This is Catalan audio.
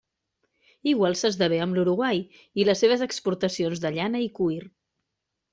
Igual s'esdevé amb l'Uruguai i les seues exportacions de llana i cuir.